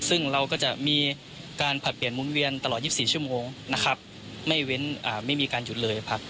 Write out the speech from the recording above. ซึ่งเราก็จะมีการผลัดเปลี่ยนหมุนเวียนตลอด๒๔ชั่วโมงนะครับไม่เว้นไม่มีการหยุดเลยครับ